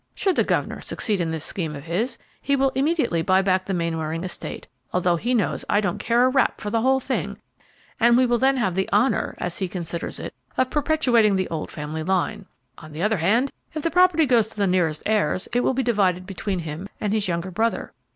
Should the governor succeed in this scheme of his, he will immediately buy back the Mainwaring estate, although he knows I don't care a rap for the whole thing, and we will then have the honor, as he considers it, of perpetuating the old family line. On the other hand, if the property goes to the nearest heirs, it will be divided between him and his younger brother.